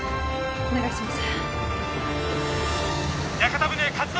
お願いします